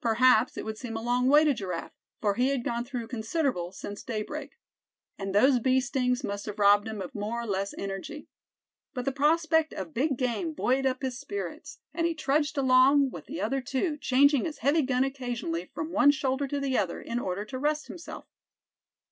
Perhaps it would seem a long way to Giraffe, for he had gone through considerable since daybreak. And those bee stings must have robbed him of more or less energy. But the prospect of big game buoyed up his spirits, and he trudged along with the other two, changing his heavy gun occasionally from one shoulder to the other, in order to rest himself.